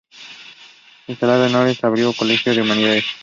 Instalado en Orense, abrió un Colegio de Humanidades.